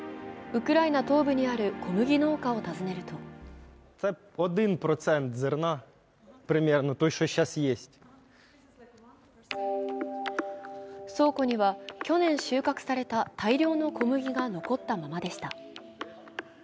ウクライナ東部にある小麦農家を訪ねると倉庫には去年収穫された大量の小麦が残ったままでした。